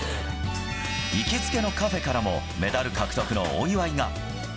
行きつけのカフェからも、メダル獲得のお祝いが。